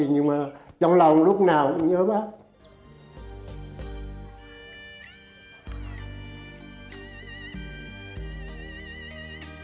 nhưng mà trong lòng lúc nào cũng nhớ bác